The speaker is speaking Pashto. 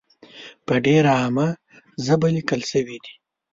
په ډېره عامه ژبه لیکل شوې دي.